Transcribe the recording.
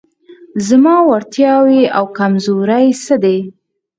زما وړتیاوې او کمزورۍ څه دي؟